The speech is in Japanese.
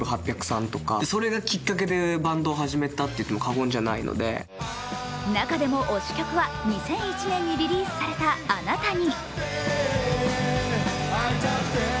ボーカル・大森さんの推しは中でも推し曲は２００１年にリリースされた「あなたに」。